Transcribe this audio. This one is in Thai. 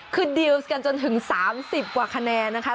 คือดีลส์กันจนถึง๓๐กว่าคะแนนนะคะ